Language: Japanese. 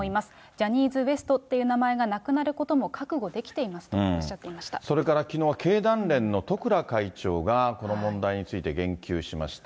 ジャニーズＷＥＳＴっていう名前がなくなることも覚悟できていまそれからきのう、経団連の十倉会長がこの問題について言及しました。